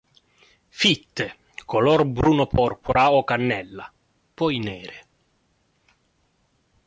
Fitte, color bruno-porpora o cannella, poi nere.